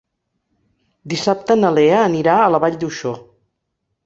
Dissabte na Lea anirà a la Vall d'Uixó.